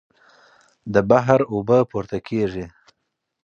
د بحر اوبه پورته کېږي.